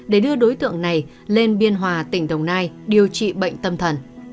để đưa đối tượng này lên biên hòa tỉnh đồng nai điều trị bệnh tâm thần